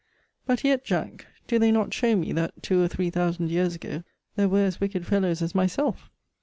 But yet, Jack, do they not show me, that, two or three thousand years ago, there were as wicked fellows as myself?